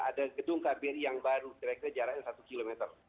ada gedung kbri yang baru kira kira jaraknya satu km